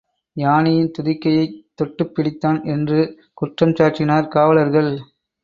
யானையின் துதிக்கையைத் தொட்டுப் பிடித்தான் என்று குற்றம் சாற்றினர் காவலர்கள்.